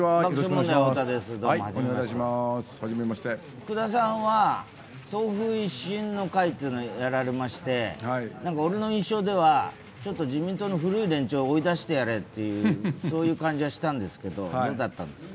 福田さんは党風一新の会っていうのをやられまして俺の印象では、ちょっと自民党の古い連中を追い出してやれって感じがしたんですけどどうだったんですか。